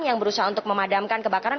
yang berusaha untuk memadamkan kebakaran